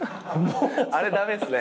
あれ駄目っすね。